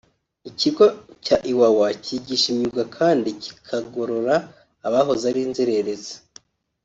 Ikigo cya Iwawa cyigisha imyuga kandi kikagorora abahoze ari inzererezi